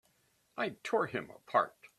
I tore him apart!